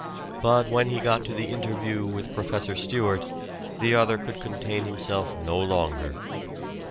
But when he got to the interview with Professor Stewart, the other could contain himself no longer.